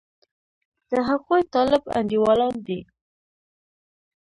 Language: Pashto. د هغوی طالب انډېوالان دي.